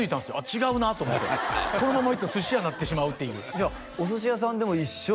違うなと思ってこのままいったら寿司屋になってしまうっていうじゃあお寿司屋さんでも一緒